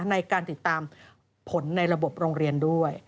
ในการติดตามผลในระบบโรงเรียนด้วย